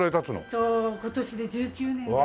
えっと今年で１９年です。